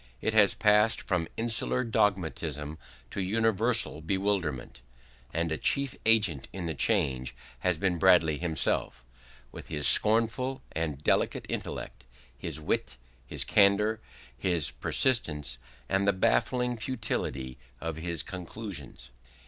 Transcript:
It has passed from insular dogmatism to universal bewilderment; and a chief agent in the change has been Bradley himself, with his scornful and delicate intellect, his wit, his candour, his persistence, and the baffling futility of his conclusions.